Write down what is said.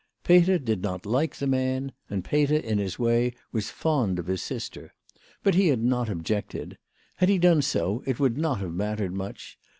Peter did not like the man, and Peter, in his way, was fond of his sister. But he had not objected. Had he done so, it would not have mattered much.